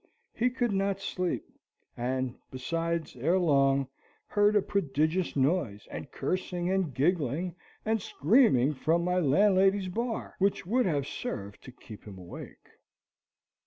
He could not sleep, and, besides, ere long, heard a prodigious noise, and cursing, and giggling, and screaming from my landlady's bar, which would have served to keep him awake.